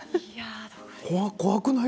怖くない？